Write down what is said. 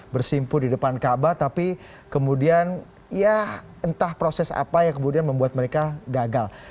bersimpur di depan kaabah tapi kemudian ya entah proses apa yang kemudian membuat mereka gagal